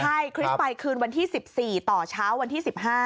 ใช่คริสต์ไปคืนวันที่๑๔ต่อเช้าวันที่๑๕